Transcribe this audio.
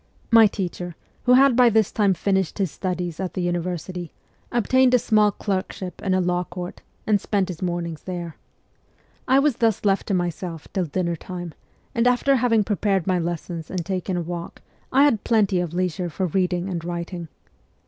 My teacher, who had by this time finished his studies at the university, obtained a small clerkship in a law court, and spent his mornings there. I was thus left to myself till dinner time, and after having prepared my lessons and taken a walk, I had plenty of leisure for reading and writing.